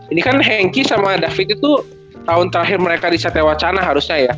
ini kan hengki sama david itu tahun terakhir mereka di setnya wacana harusnya ya